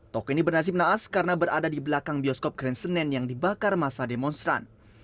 toko ini bernasib naas karena berada di belakang bioskop grand senen yang dibakar masa demonstran